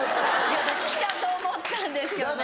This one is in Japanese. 私きたと思ったんですけどね